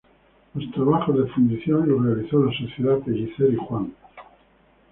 Los trabajos de fundición los realizó la Sociedad Pellicer y Juan.